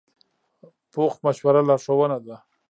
پوخ مشوره لارښوونه ده